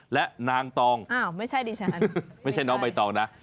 และนางตองไม่ใช่น้องใบตองนะ